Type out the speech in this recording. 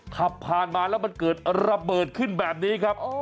ขับผ่านมาแล้วมันเกิดระเบิดขึ้นแบบนี้ครับ